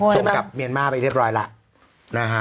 ส่งกลับเมียนมาร์ไปเรียบร้อยเหล่านะฮะ